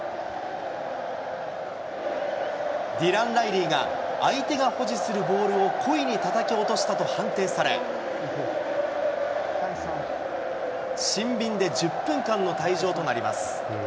ディラン・ライリーが、相手が保持するボールを故意にたたき落したと判定され、シンビンで１０分間の退場となります。